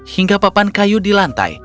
hingga papan kayu di lantai